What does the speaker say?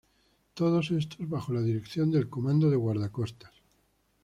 Todos estos bajo la dirección del Comando de Guardacostas.